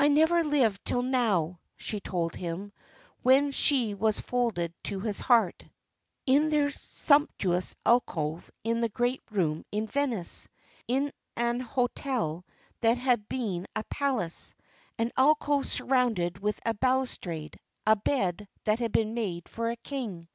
"I never lived till now," she told him, when she was folded to his heart, in their sumptuous alcove in the great room in Venice, in an hotel that had been a palace, an alcove surrounded with a balustrade, a bed that had been made for a king.